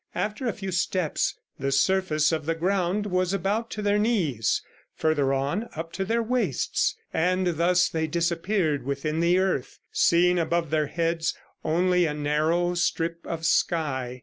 After a few steps the surface of the ground was about to their knees; further on, up to their waists, and thus they disappeared within the earth, seeing above their heads, only a narrow strip of sky.